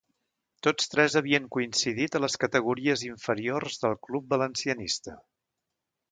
Tots tres havien coincidit a les categories inferiors del club valencianista.